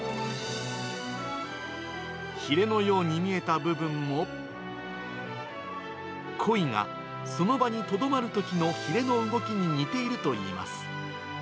ひれのように見えた部分も、コイがその場にとどまるときのひれの動きに似ているといいます。